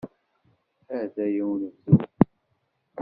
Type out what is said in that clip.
Ataya unebdu.